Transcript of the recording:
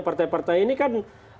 partai partai ini kan